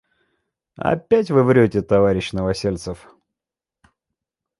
Опять Вы врете, товарищ Новосельцев.